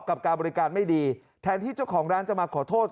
กับการบริการไม่ดีแทนที่เจ้าของร้านจะมาขอโทษ